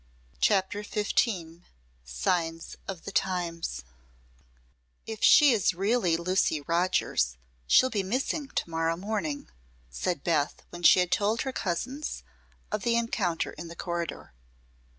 CHAPTER XV SIGNS OF THE TIMES "If she is really Lucy Rogers, she'll be missing tomorrow morning," said Beth when she had told her cousins of the encounter in the corridor.